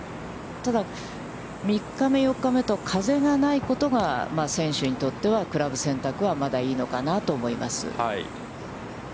ただ、３日目、４日目と風がないことが選手にとっては、クラブ選択はまだいいのかなと思います。